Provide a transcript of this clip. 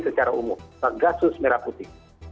secara umum gasus merah putih